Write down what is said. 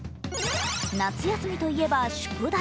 夏休みといえば宿題。